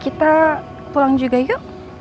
kita pulang juga yuk